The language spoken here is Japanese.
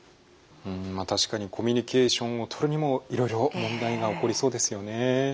まあ確かにコミュニケーションをとるにもいろいろ問題が起こりそうですよね。